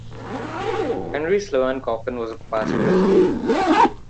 Henry Sloane Coffin was a past president.